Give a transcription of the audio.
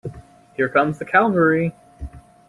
Here comes the cavalry.